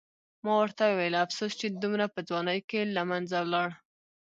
ما ورته وویل: افسوس چې دومره په ځوانۍ کې له منځه ولاړ.